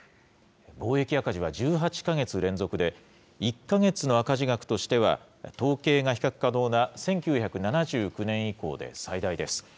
貿易赤字は１８か月連続で、１か月の赤字額としては統計が比較可能な１９７９年以降で最大です。